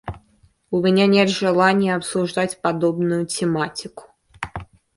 У меня нет желания обсуждать подобную тематику.